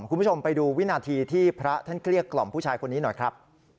คุณผู้ชมไปดูวินาทีที่พระท่านเกลี้ยกล่อมผู้ชายคนนี้หน่อยครับ